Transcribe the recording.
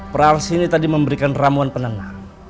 praharsini tadi memberikan ramuan penenang